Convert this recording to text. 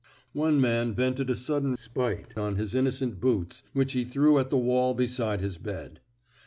One man vented a sudden spite on his innocent boots, whidi he threw at the wall beside his bed.